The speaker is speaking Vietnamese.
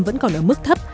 vẫn còn ở mức thấp